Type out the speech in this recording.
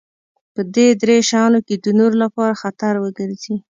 په دې درې شيانو کې د نورو لپاره خطر وګرځي.